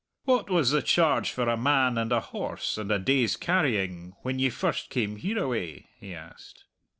"What was the charge for a man and a horse and a day's carrying when ye first came hereaway?" he asked.